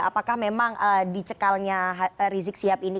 apakah memang dicekalnya rizik sihab ini